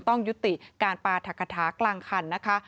ต้องยุติการปราธกคาถากลางคันนะคะ